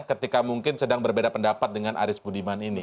ketika mungkin sedang berbeda pendapat dengan aris budiman ini